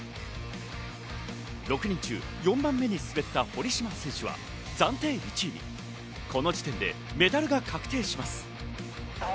６人中４番目に滑った堀島選手は暫定１位、この時点でメダルが確定します。